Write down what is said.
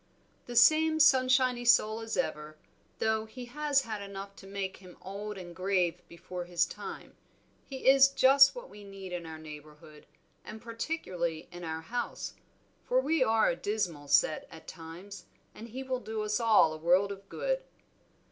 "The same sunshiny soul as ever, though he has had enough to make him old and grave before his time. He is just what we need in our neighborhood, and particularly in our house, for we are a dismal set at times, and he will do us all a world of good."